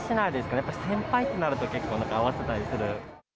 やっぱり先輩となると、結構なんか、合わせたりする。